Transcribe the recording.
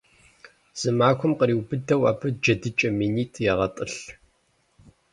Зы махуэм къриубыдэу абы джэдыкӀэ минитӏ егъэтӏылъ.